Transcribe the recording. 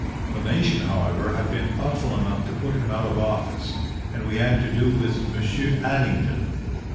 The nation, however, had been thoughtful enough to put him out of office, and we had to do with Monsieur Addington.